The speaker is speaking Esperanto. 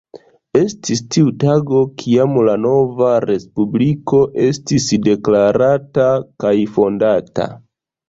Estis tiu tago, kiam la nova respubliko estis deklarata kaj fondata.